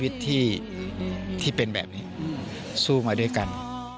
ที่เป็นแบบนี้สู้มาด้วยกัน